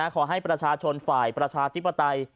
ขอให้ประชาชนฝ่ายประชาธิปไตย